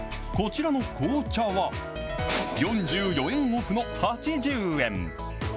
こちらの紅茶は４４円オフの８０円。